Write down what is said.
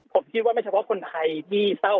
ผมคิดว่าไม่เฉพาะคนไทยที่เศร้า